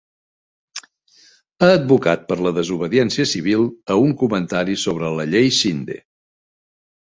Ha advocat per la desobediència civil a un comentari sobre la Llei Sinde.